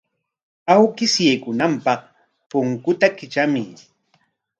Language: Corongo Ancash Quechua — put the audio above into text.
Awkish yaykunanpaq punkuta kitramuy.